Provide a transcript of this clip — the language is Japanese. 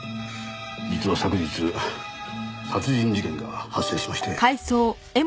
実は昨日殺人事件が発生しまして。